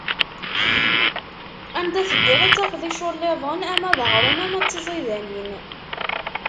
Anda teddiḍ, ad tafeḍ iculliḍen, ama d aɣrum ama d tiẓidanin.